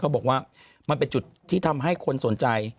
บอกว่ามันเป็นจุดที่ทำให้คนสนใจ